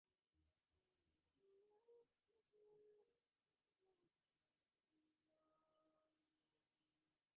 দুই-এক গ্রাস মুখে তুলিয়া কহিল, বাঃ, চমৎকার হইয়াছে।